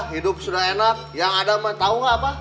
hidup sudah enak yang ada tau gak apa